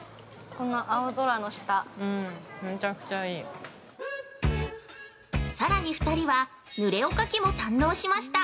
この青空の下、◆さらに、２人はぬれおかきも堪能しました！